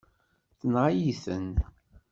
Tenɣa-yi-ten.